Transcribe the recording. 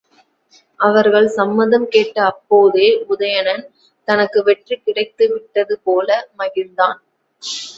அவர்கள் சம்மதம் கேட்ட அப்போதே உதயணன் தனக்கு வெற்றி கிடைத்து விட்டதுபோல மகிழ்ந்தான்.